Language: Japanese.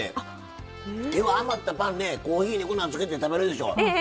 余ったパンねコーヒーにつけて食べるでしょ。